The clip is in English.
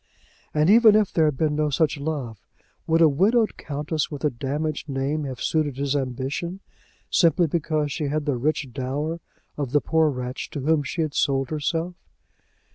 And even if there had been no such love, would a widowed countess with a damaged name have suited his ambition, simply because she had the rich dower of the poor wretch to whom she had sold herself?